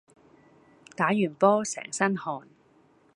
打完波成身汗